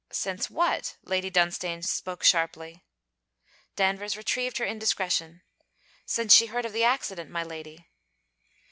'Since what?' Lady Dunstane spoke sharply. Danvers retrieved her indiscretion. 'Since she heard of the accident, my lady.'